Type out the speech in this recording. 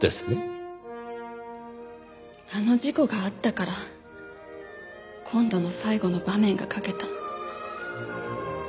あの事故があったから今度の最後の場面が描けた。